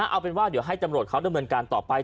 เอาเป็นว่าเดี๋ยวให้ตำรวจเขาดำเนินการต่อไป